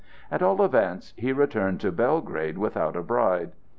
At all events he returned to Belgrade without a bride.